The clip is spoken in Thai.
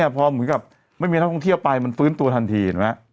พอเหมือนกับไม่มีนักท่องเที่ยวไปมันฟื้นตัวทันทีเห็นไหม